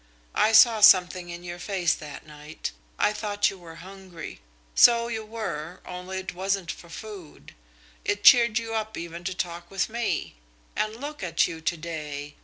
I saw something in your face that night. I thought you were hungry. So you were, only it wasn't for food. It cheered you up even to talk with me. And look at you to day!